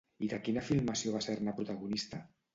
I de quina filmació va ser-ne protagonista?